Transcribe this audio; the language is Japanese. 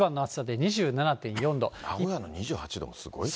名古屋の２８度もすごいな。